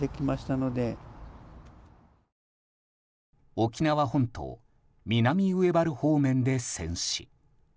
沖縄本島南上原方面で戦死。